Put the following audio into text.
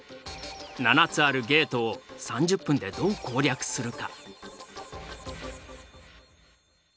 ７つあるゲートを３０分でどう攻略するか？